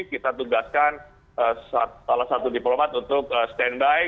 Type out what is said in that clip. kita tugaskan salah satu diplomat untuk standby